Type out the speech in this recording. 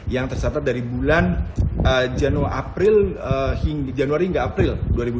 yang tercatat dari bulan januari hingga april dua ribu dua puluh